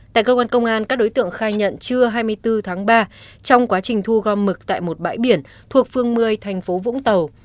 tại cơ quan công an các đối tượng khai nhận trưa hai mươi bốn tháng ba trong quá trình thu gom mực tại một bãi biển thuộc phương một mươi thành phố vũng tàu